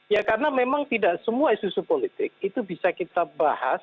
ya karena memang tidak semua isu isu politik itu bisa kita bahas